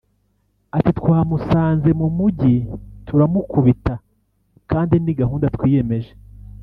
ati” Twamusanze mu mujyi turamukubita kandi ni gahunda twiyemeje